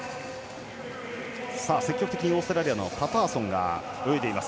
積極的にオーストラリアのパターソン、泳いでいます。